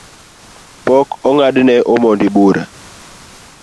Pok ong’adne omondi Bura